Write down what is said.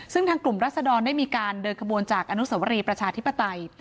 ซึ่งทางกลุ่มรัศดรได้มีการเดินขบวนจากอนุสวรีประชาธิปไตย